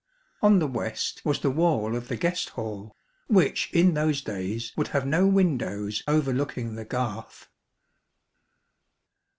On the west was the wall of the guest hall, which in those days would have no windows overlooking the garth.